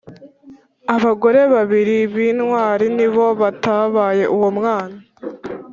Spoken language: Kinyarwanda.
Abagore babiri bintwari nibo batabaye uwo mwana